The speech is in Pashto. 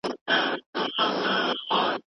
د ټولنې حقایق په ګوته کړئ.